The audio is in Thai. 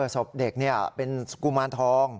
ศพเด็กเป็นกุมารทอง